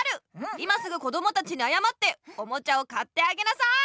今すぐこどもたちにあやまっておもちゃを買ってあげなさい！